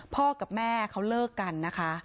พ่อกับแม่เขาเลิกกันนะคะ